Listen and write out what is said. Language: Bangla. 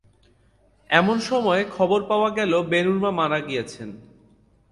এমন সময়ে হঠাৎ খবর পাওয়া গেল বেণুর মা মারা গিয়াছেন।